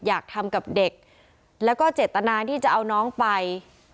อยากทำกับเด็กแล้วก็เจตนาที่จะเอาน้องไป